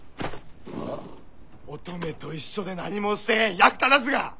オトメと一緒で何もしてへん役立たずが。